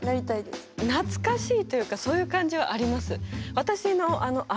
懐かしいというかそういう感じはあります。